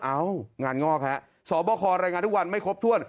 งานงอกฮะสบครายงานทุกวันไม่ครบถ้วน